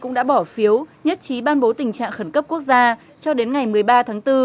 cũng đã bỏ phiếu nhất trí ban bố tình trạng khẩn cấp quốc gia cho đến ngày một mươi ba tháng bốn